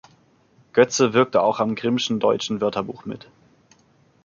Götze wirkte auch am Grimmschen Deutschen Wörterbuch mit.